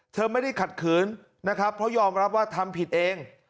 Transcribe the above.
เธอไม่ได้ขัดขืนนะครับเพราะยอมรับว่าทำผิดเอง